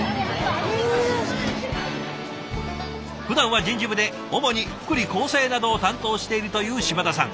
ふだんは人事部で主に福利厚生などを担当しているという島田さん。